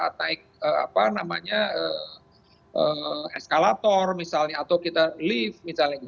atau kita di mall misalnya pada saat naik apa namanya eskalator misalnya atau kita lift misalnya gitu